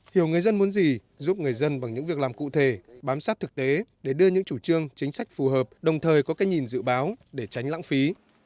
hiểu người dân muốn gì giúp người dân bằng những việc làm cụ thể bám sát thực tế để đưa những chủ trương chính sách phù hợp đồng thời có cái nhìn dự báo để tránh lãng phí